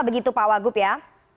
begitu pak wagup ya